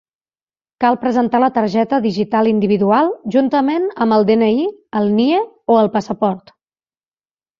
Cal presentar la targeta digital individual, juntament amb el DNI, el NIE o el passaport.